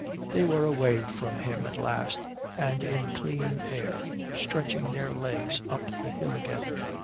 They were away from him at last and in clean air stretching their legs up the hill again.